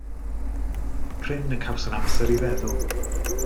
Prin y cawswn amser i feddwl.